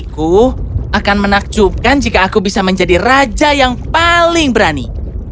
aku akan menakjubkan jika aku bisa menjadi raja yang paling berani